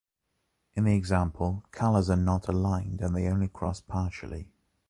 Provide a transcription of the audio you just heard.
In the example, colors are not aligned and they only cross partially.